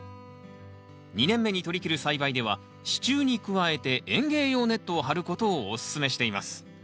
２年目にとりきる栽培では支柱に加えて園芸用ネットを張ることをおすすめしています。